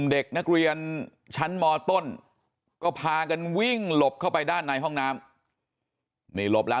เด็กนักเรียนชั้นหมอต้นก็พากันวิ่งหลบเข้าไปด้านในห้องน้ำ